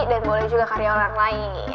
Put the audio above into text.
dan boleh juga karya orang lain